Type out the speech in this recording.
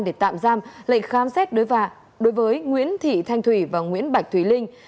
để tạm giam lệnh khám xét đối vạ đối với nguyễn thị thanh thủy và nguyễn bạch thùy linh